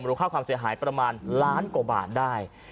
ค่าความเสียหายประมาณล้านกว่าบาทได้